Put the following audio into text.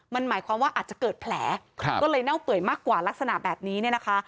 มันหมายความว่าอาจจะเกิดแผลก็เลยเน่าเปื่อยมากกว่าลักษณะแบบนี้เนี่ยนะคะ